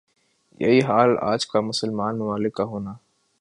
یہی حال آج کا مسلمان ممالک کا ہونا